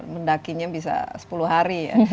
mendakinya bisa sepuluh hari ya